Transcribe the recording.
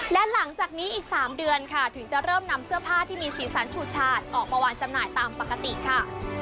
และหลังจากนี้อีก๓เดือนค่ะถึงจะเริ่มนำเสื้อผ้าที่มีสีสันฉูดฉาดออกมาวางจำหน่ายตามปกติค่ะ